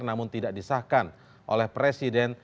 namun tidak disahkan oleh presiden